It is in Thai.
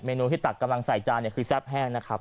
นูที่ตักกำลังใส่จานเนี่ยคือแซ่บแห้งนะครับ